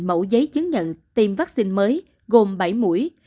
mẫu giấy chứng nhận tiêm vaccine mới gồm bảy mũi